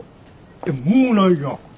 えっもうないじゃん！